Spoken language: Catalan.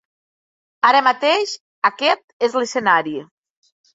Ara mateix aquest és l’escenari.